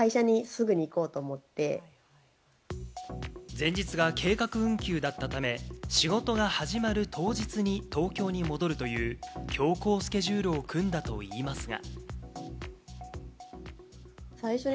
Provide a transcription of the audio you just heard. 前日が計画運休だったため、仕事が始まる当日に、東京に戻るという強行スケジュールを組んだといいますが。